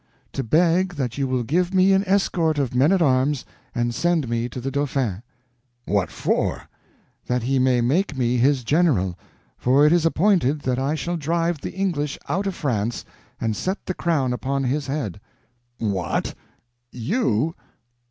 To beg that you will give me an escort of men at arms and send me to the Dauphin." "What for?" "That he may make me his general, for it is appointed that I shall drive the English out of France, and set the crown upon his head." "What—you?